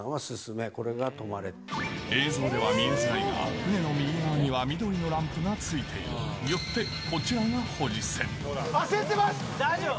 映像では見えづらいが船の右側には緑のランプがついているよってこちらが保持船大丈夫！